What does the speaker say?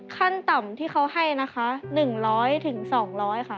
ขั้นต่ำที่เขาให้นะคะ๑๐๐๒๐๐ค่ะ